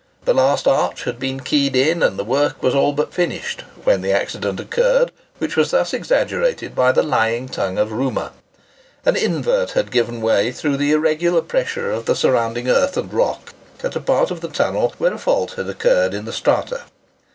The last arch had been keyed in, and the work was all but finished, when the accident occurred which was thus exaggerated by the lying tongue of rumour. An invert had given way through the irregular pressure of the surrounding earth and rock at a part of the tunnel where a "fault" had occurred in the strata.